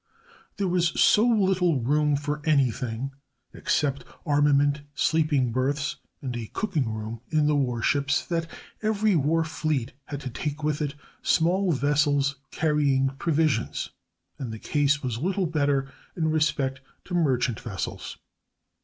There was so little room for anything except armament, sleeping berths, and a cooking room in the war ships that every war fleet had to take with it small vessels carrying provisions; and the case was little better in respect to merchant vessels.